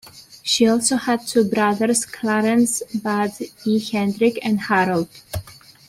She also had two brothers, Clarence "Bud" E. Hedrick, and Harold.